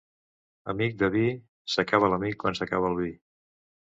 Amic de vi, s'acaba l'amic quan s'acaba el vi.